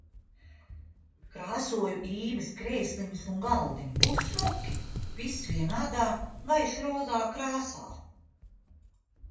Krāsoju Īves krēsliņus un galdiņu. Būs smuki. Viss vienādā, gaiši rozā krāsā.